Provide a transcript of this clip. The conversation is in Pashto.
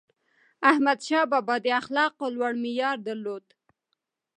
احمدشاه بابا د اخلاقو لوړ معیار درلود.